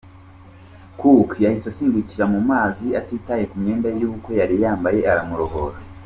Cook yahise asimbukira mu mazi atitaye ku myenda y’ ubukwe yari yambaye aramurohora.